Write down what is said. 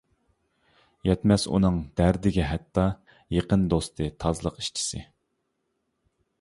يەتمەس ئۇنىڭ دەردىگە ھەتتا، يېقىن دوستى تازىلىق ئىشچىسى.